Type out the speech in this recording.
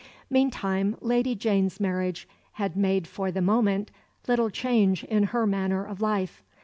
Meantime Lady Jane's marriage had made for the moment little change in her manner of life.